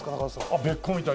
べっこうみたい。